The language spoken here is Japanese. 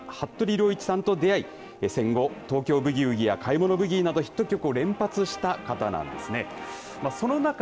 作曲家、服部良一さんと出会い戦後、東京ブギウギや買物ブギーなどヒット曲を連発した方なんですね。